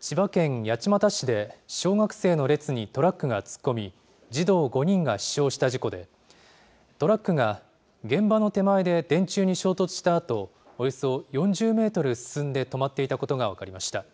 千葉県八街市で、小学生の列にトラックが突っ込み、児童５人が死傷した事故で、トラックが現場の手前で電柱に衝突したあと、およそ４０メートル進んで止まっていたことが分かりました。